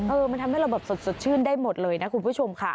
มันทำให้เราแบบสดชื่นได้หมดเลยนะคุณผู้ชมค่ะ